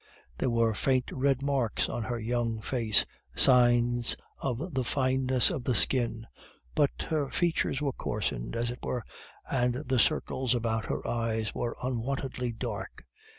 There were faint red marks on her young face, signs of the fineness of the skin; but her features were coarsened, as it were, and the circles about her eyes were unwontedly dark.